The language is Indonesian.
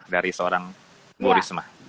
dari seorang bu risma